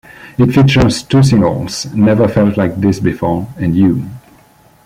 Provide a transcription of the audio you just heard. It features two singles: "Never Felt Like This Before" and "You".